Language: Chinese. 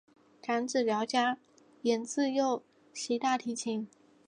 长子廖嘉言自幼习大提琴。